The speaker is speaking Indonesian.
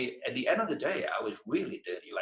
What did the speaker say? pada akhirnya saya sangat berlaku seperti gula